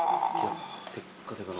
テッカテカの。